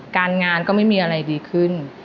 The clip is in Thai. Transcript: การงานก็ไม่มีอะไรดีขึ้น